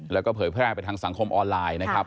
แล้วก็เผยแพร่ไปทางสังคมออนไลน์นะครับ